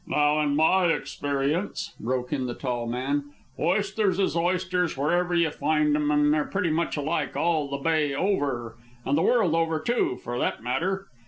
"Now, in my experience," broke in the tall man, "oysters is oysters wherever you find 'em, an' they're pretty much alike all the Bay over, and the world over, too, for that matter.